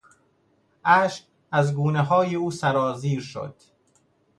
اشک از گونههای او سرازیر شد.